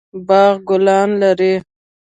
باغ ګلان لري